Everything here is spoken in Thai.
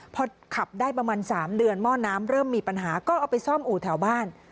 พอขับได้ประมาณ๓เดือนหม้อน้ำเริ่มมีปัญหาก็เอาไปซ่อมอู่แถวบ้าน